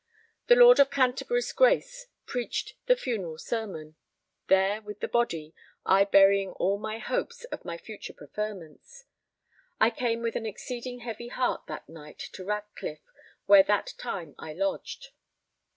The Lord of Canterbury's Grace preached the funeral sermon: there, with his body, I burying all my hopes of my future preferments. I came with an exceeding heavy heart that night to Ratcliff, where that time I lodged.